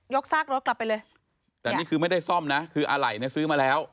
ซากรถกลับไปเลยแต่นี่คือไม่ได้ซ่อมนะคืออะไรเนี่ยซื้อมาแล้ว